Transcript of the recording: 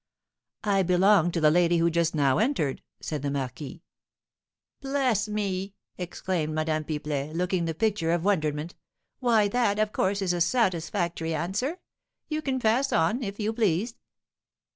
"I belong to the lady who just now entered," said the marquis. "Bless me!" exclaimed Madame Pipelet, looking the picture of wonderment, "why, that, of course, is a satisfactory answer. You can pass on, if you please."